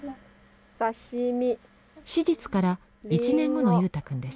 手術から１年後の祐太君です。